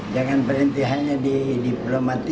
jangan berhenti hanya di diploma tiga